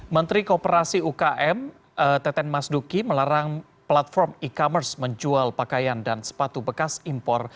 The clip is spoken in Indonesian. menteri kooperasi ukm teten mas duki melarang platform e commerce menjual pakaian dan sepatu bekas impor